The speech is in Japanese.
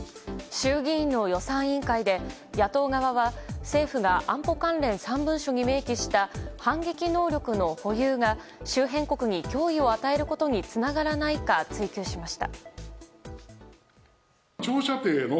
衆議院の予算委員会で野党側は政府が安保関連３文書に明記した反撃能力の保有が周辺国に脅威を与えることにつながらないか追及しました。